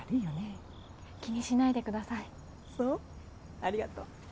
ありがとう。